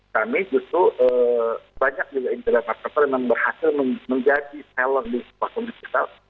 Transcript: kami justru banyak juga internet marketer yang memang berhasil menjadi seller di platform digital